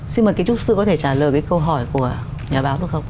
xin mời kiến trúc sư có thể trả lời cái câu hỏi của nhà báo được không